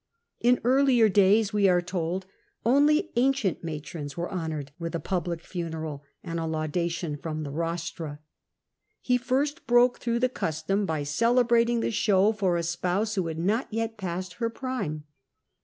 In earlier days, we are told, only ancient matrons were honoured with a public funeral and a laudation from the rostra. He first broke through the custom, by cele brating the show for a spouse who had not yet passed her prime.